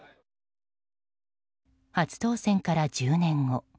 初当選から１０年後。